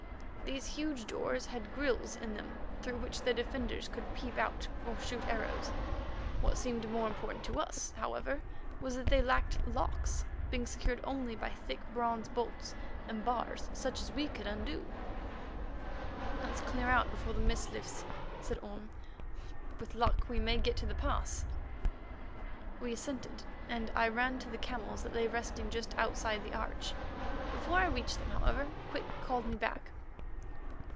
These huge doors had grilles in them through which their defenders could peep out or shoot arrows. What seemed more important to us, however, was that they lacked locks, being secured only by thick bronze bolts and bars such as we could undo. "Let's clear out before the mist lifts," said Orme. "With luck we may get to the pass." We assented, and I ran to the camels that lay resting just outside the arch. Before I reached them, however, Quick called me back.